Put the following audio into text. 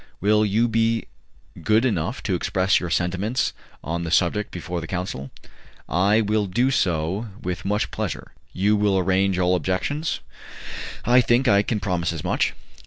"Will you be good enough to express your sentiments on the subject before the council?" "I will do so with much pleasure." "You will answer all objections?" "I think I can promise as much."